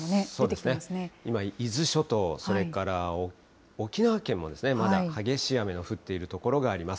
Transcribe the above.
今、伊豆諸島、それから沖縄県も、まだ激しい雨が降っている所があります。